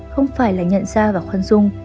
không phải là nhận ra và khoan dung